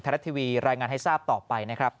รัฐทีวีรายงานให้ทราบต่อไปนะครับ